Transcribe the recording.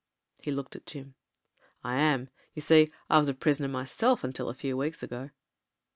He looked at Jim. "I am. You see, I was a prisoner myself until a few weeks ago."